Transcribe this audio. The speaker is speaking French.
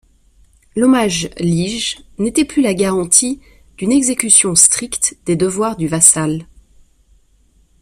L'hommage lige n'était plus la garantie d'une exécution stricte des devoirs du vassal.